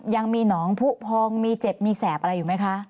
ยังมีหนองผู้พองมีเจ็บมีแสบอะไรอยู่ไหมคะ